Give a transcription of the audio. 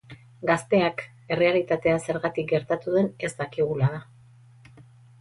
Gazteak, errealitatea zergatik gertatu den ez dakigula da.